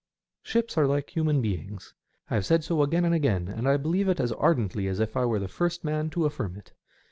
Ships are like human beings. I have said so again and again, and I believe it as ardently as if I were the first man to affirm it.